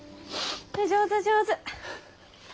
上手上手。